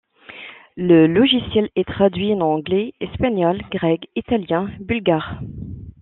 Le logiciel est traduit en anglais, espagnol, grec, italien, bulgare.